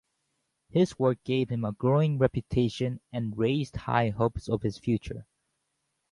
His works gave him a growing reputation, and raised high hopes of his future.